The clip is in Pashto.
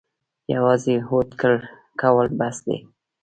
یوازې هوډ کول بس دي؟